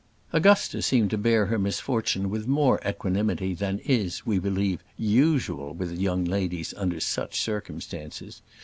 Augusta seemed to bear her misfortune with more equanimity than is, we believe, usual with young ladies under such circumstances.